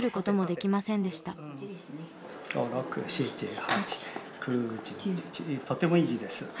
とてもいい字です。